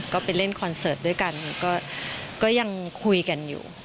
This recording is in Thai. ก็ไปเล่นคอนเสิร์ตด้วยกันก็ยังคุยกันอยู่